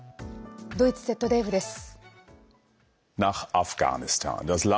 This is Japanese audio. ドイツＺＤＦです。